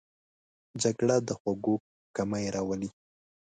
جګړه د خوړو کمی راولي